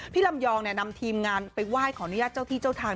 ลำยองนำทีมงานไปไหว้ขออนุญาตเจ้าที่เจ้าทาง